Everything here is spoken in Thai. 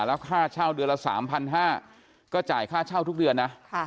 แล้วค่าเช่าเดือนละ๓๕๐๐ก็จ่ายค่าเช่าทุกเดือนนะ